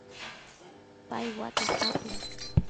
pay watas tapu